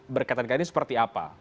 berkata kata ini seperti apa